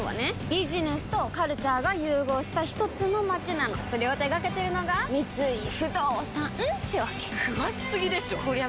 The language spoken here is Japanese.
ビジネスとカルチャーが融合したひとつの街なのそれを手掛けてるのが三井不動産ってわけ詳しすぎでしょこりゃ